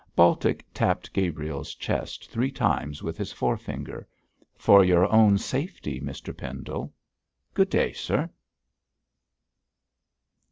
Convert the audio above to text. Baltic tapped Gabriel's chest three times with his forefinger. 'For your own safety, Mr Pendle. Good day, sir!'